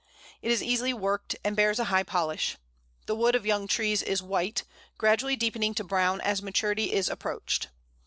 It is easily worked, and bears a high polish. The wood of young trees is white, gradually deepening to brown as maturity is approached.